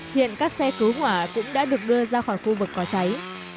hiện các xe cứu hỏa cũng đã được đưa ra khỏi khu vực có cháy